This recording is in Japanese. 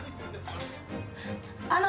あの！